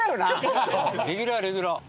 レギュラーレギュラー。